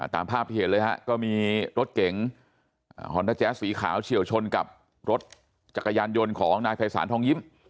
ตามภาพที่เห็นเลยฮะก็มีรถเก๋งฮอนด้าแจ๊สสีขาวเฉียวชนกับรถจักรยานยนต์ของนายภัยศาลทองยิ้ม